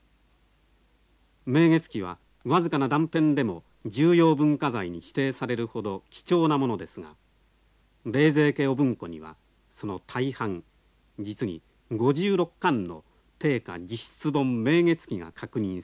「明月記」は僅かな断片でも重要文化財に指定されるほど貴重なものですが冷泉家御文庫にはその大半実に５６巻の定家自筆本「明月記」が確認されました。